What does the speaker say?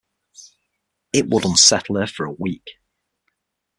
It would unsettle her for a week.